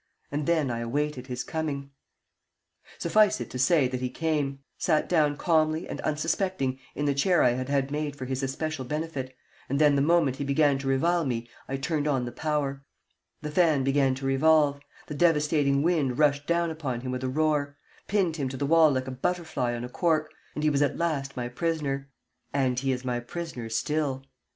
And then I awaited his coming. Suffice it to say that he came, sat down calmly and unsuspecting in the chair I had had made for his especial benefit, and then the moment he began to revile me I turned on the power, the fan began to revolve, the devastating wind rushed down upon him with a roar, pinned him to the wall like a butterfly on a cork, and he was at last my prisoner and he is my prisoner still.